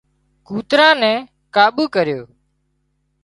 ڪوترا نين ڪابو ڪريو